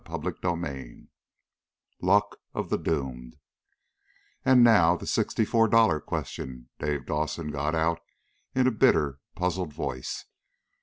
CHAPTER SIXTEEN Luck of the Doomed "And now, the sixty four dollar question," Dave Dawson got out in a bitter, puzzled voice.